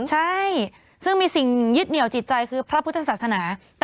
ใช่ซึ่งมีสิ่งยึดเหนียวจิตใจคือพระพุทธศาสนา